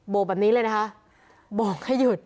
กแบบนี้เลยนะคะบอกให้หยุด